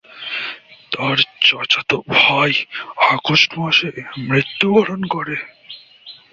তার চাচাতো ভাই আগস্ট মাসে মৃত্যুবরণ করে।